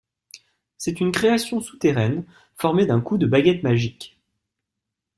C’est une création souterraine formée d’un coup de baguette magique.